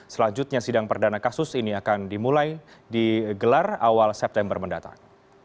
selanjutnya sidang perdana kasus ini akan dimulai digelar awal september mendatang